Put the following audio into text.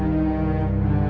terima dong ma